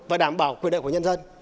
và đảm bảo quyền đệ của nhân dân